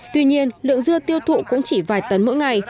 tuy nhiên lượng dưa tiêu thụ cũng chỉ vài tấn mỗi ngày